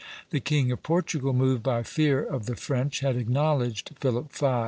The King of Portugal, moved by fear of the French, had acknowledged Philip V.